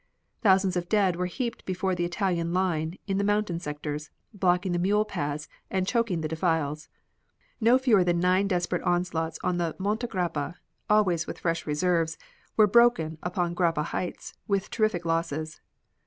Thousands of dead were heaped before the Italian line in the mountain sectors, blocking the mule paths and choking the defiles. No fewer than nine desperate onslaughts upon Monte Grappa, always with fresh reserves, were broken upon Grappa heights, with terrific losses.